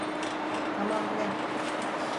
Tamam ne?